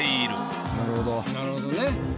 なるほどね。